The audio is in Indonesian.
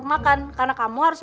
marah gua eike akan mulai burden